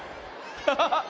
ハハハ！